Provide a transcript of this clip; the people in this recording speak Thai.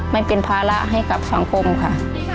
ไม่เป็นภาระให้กับสังคมค่ะ